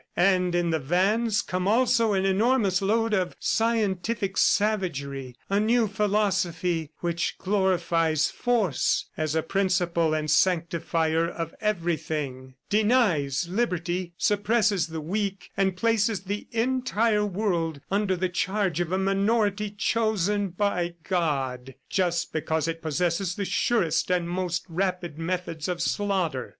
And in the vans come also an enormous load of scientific savagery, a new philosophy which glorifies Force as a principle and sanctifier of everything, denies liberty, suppresses the weak and places the entire world under the charge of a minority chosen by God, just because it possesses the surest and most rapid methods of slaughter.